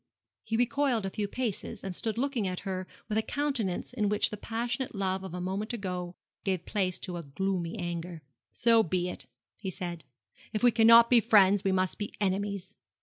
He recoiled a few paces, and stood looking at her with a countenance in which the passionate love of a moment ago gave place to gloomy anger. 'So be it,' he said; 'if we cannot be friends we must be enemies.